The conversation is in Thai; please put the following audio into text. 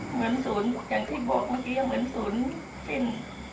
เหมือนศูนย์อย่างที่บอกเมื่อกี้เหมือนศูนย์สิ้น